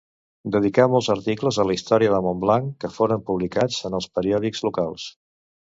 Dedicà molts articles a la història de Montblanc que foren publicats en els periòdics locals.